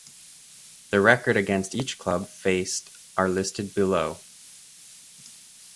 Their record against each club faced are listed below.